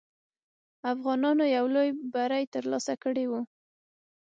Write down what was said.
افغانانو یو لوی بری ترلاسه کړی وو.